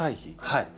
はい。